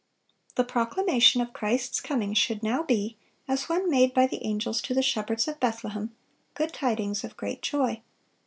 The proclamation of Christ's coming should now be, as when made by the angels to the shepherds of Bethlehem, good tidings of great joy.